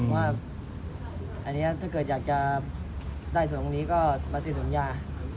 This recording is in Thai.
ว่าอันนี้ถ้าเกิดอยากจะได้ส่วนตรงนี้ก็มาเซ็นสัญญา